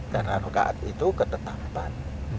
dan rakaat itu ketetapan